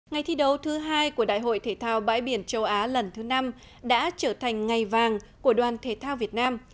ngày thi đấu thứ hai của đại hội thể thao bãi biển châu á lần thứ năm đã trở thành ngày vàng của đoàn thể thao việt nam